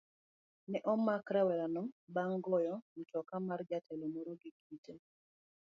Ne omak rawerano bang' goyo mtoka mar jatelo moro gi kite